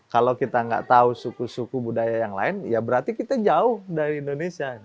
kalau kita nggak tahu suku suku budaya yang lain ya berarti kita jauh dari indonesia